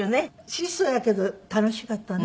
質素やけど楽しかったね。